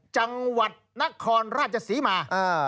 จังหวัดนครราชศรีมา